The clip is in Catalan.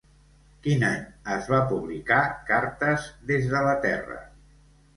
Quin any es va publicar Cartes des de la Terra?